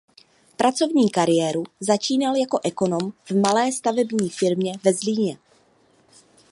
Pracovní kariéru začínal jako ekonom v malé stavební firmě ve Zlíně.